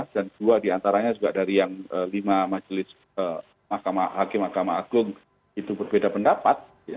dan dua diantaranya juga dari yang lima majelis hakim mahkamah agung itu berbeda pendapat